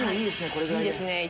これぐらいでいいですね